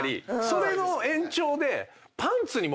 それの延長で。